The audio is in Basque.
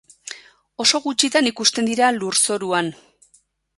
Oso gutxitan ikusten dira lurzoruan.